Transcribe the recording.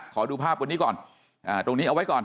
ขอดูภาพวันนี้ก่อนตรงนี้เอาไว้ก่อน